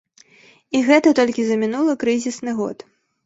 І гэта толькі за мінулы крызісны год!